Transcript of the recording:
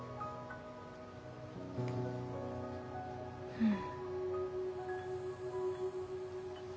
うん。